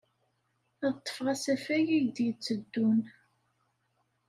Ad ḍḍfeɣ asafag ay d-yetteddun.